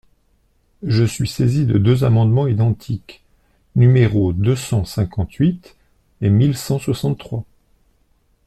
Je suis saisi de deux amendements identiques, numéros deux cent cinquante-huit et mille cent soixante-trois.